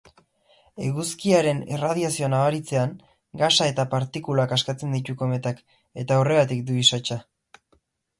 Eguzkiaren erradiazioa nabaritzean, gasa eta partikulak askatzen ditu kometak eta horregatik du isatsa.